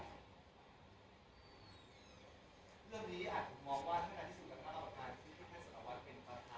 เรื่องนี้อาจผมมองว่าทางการที่ถูกกับการออกการ